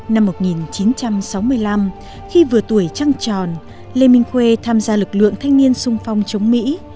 năm một nghìn chín trăm sáu mươi năm khi vừa tuổi trăng tròn lê minh khuê tham gia lực lượng thanh niên sung phong chống mỹ